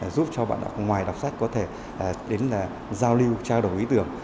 giúp cho bạn đọc ngoài đọc sách có thể đến là giao lưu trao đổi ý tưởng